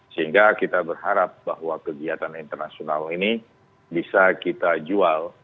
sehingga kita berharap bahwa kegiatan internasional ini bisa kita jual